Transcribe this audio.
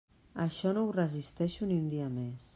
Això no ho resisteixo ni un dia més.